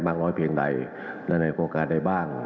น้อยเพียงใดและในโครงการใดบ้าง